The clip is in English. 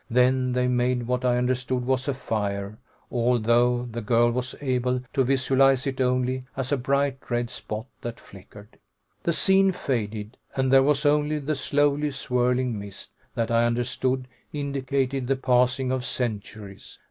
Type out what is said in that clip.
Then they made what I understood was a fire, although the girl was able to visualize it only as a bright red spot that flickered. The scene faded, and there was only the slowly swirling mist that I understood indicated the passing of centuries.